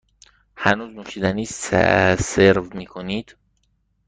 هنوز نوشیدنی سرو می کنید؟